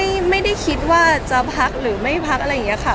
ไม่ได้คิดว่าจะพักหรือไม่พักอะไรอย่างนี้ค่ะ